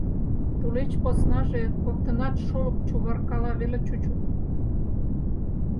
Тулеч поснаже коктынат шолып Чуваркала веле чучыт.